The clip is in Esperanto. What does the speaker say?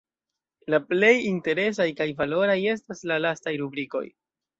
La plej interesaj kaj valoraj estas la lastaj rubrikoj.